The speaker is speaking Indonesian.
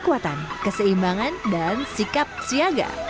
kekuatan keseimbangan dan sikap siaga